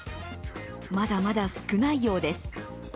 まだまだ少ないようです。